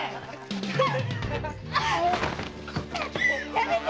やめて！